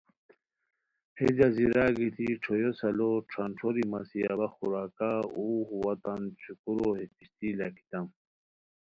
ہے جزیرا گیتی ݯھویو سالو ݯھان ݯھوری مسی اوا خوراکہ اوغ وا تان شُوکھورو ہے کشتی لاکھیتام